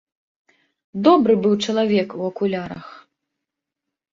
Добры быў чалавек у акулярах.